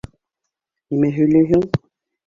Нимә һөйләйһең?